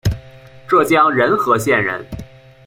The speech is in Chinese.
浙江仁和县人。